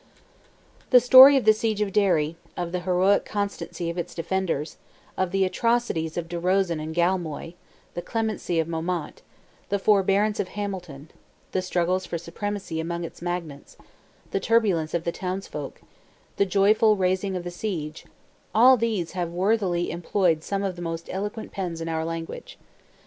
The story of the siege of Derry—of the heroic constancy of its defenders—of the atrocities of De Rosen and Galmoy—the clemency of Maumont—the forbearance of Hamilton—the struggles for supremacy among its magnates—the turbulence of the townsfolk—the joyful raising of the siege—all these have worthily employed some of the most eloquent pens in our language.